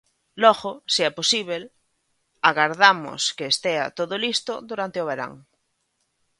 Logo, se é posíbel, agardamos que estea todo listo durante o verán.